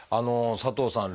佐藤さん